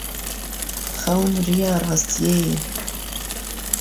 Xewn siya rastiyê ye.